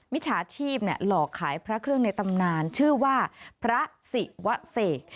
มิจฉาชีพหลอกขายพระเครื่องในตำนานชื่อว่าพระศิวะเสก